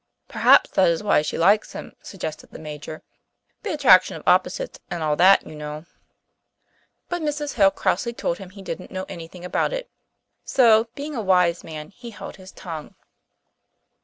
"Perhaps that is why she likes him," suggested the Major. "The attraction of opposites and all that, you know." But Mrs. Hill crossly told him he didn't know anything about it, so, being a wise man, he held his tongue.